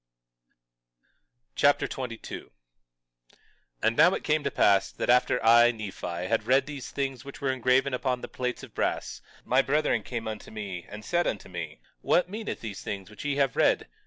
1 Nephi Chapter 22 22:1 And now it came to pass that after I, Nephi, had read these things which were engraven upon the plates of brass, my brethren came unto me and said unto me: What meaneth these things which ye have read?